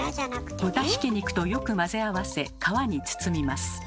豚ひき肉とよく混ぜ合わせ皮に包みます。